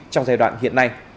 trong giai đoạn hiện nay